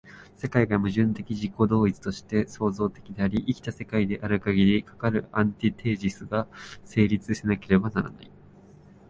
世界が矛盾的自己同一として創造的であり、生きた世界であるかぎり、かかるアンティテージスが成立せなければならない。